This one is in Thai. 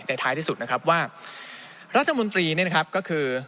แต่ท้ายที่สุดนะครับว่ารัฐมนตรีเนี่ยนะครับก็คือ